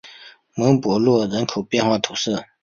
蒙博洛人口变化图示